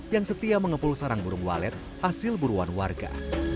yang setia mengepul sarang burung walet hasil buruan warga